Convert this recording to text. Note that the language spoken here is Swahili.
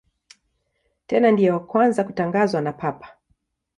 Tena ndiye wa kwanza kutangazwa na Papa.